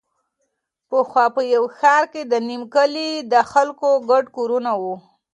پخوا په یوه ښاره کې د نیم کلي د خلکو ګډ کورونه وو.